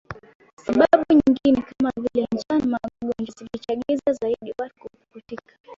sababu nyingine kama vile njaa na magonjwa zikichagiza zaidi watu kupukutika